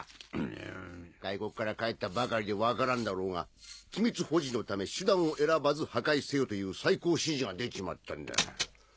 外国から帰ったばかりで分からんだろうが機密保持のため手段を選ばず破壊せよという最高指示が出ちまったんだ。